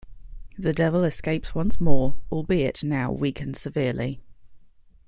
The devil escapes once more, albeit now weakened severely.